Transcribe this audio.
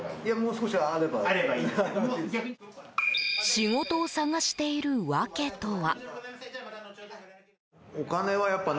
仕事を探している訳とは。